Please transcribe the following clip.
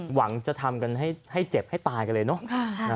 หวังจะทำกันให้เจ็บให้ตายกันเลยเนอะ